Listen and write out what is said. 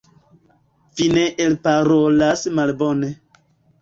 Vi ne elparolas malbone.